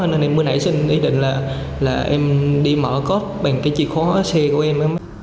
nên em mới nảy xin ý định là em đi mở cốp bằng cái chìa khóa xe của em